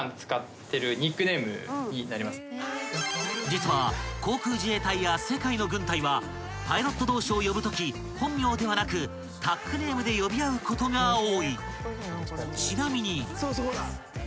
［実は航空自衛隊や世界の軍隊はパイロット同士を呼ぶとき本名ではなくタックネームで呼び合うことが多い］